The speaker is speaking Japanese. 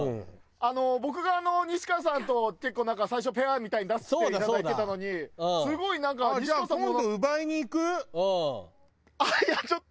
僕が仁支川さんと結構なんか最初ペアみたいに出していただいてたのにすごいなんか仁支川さんも。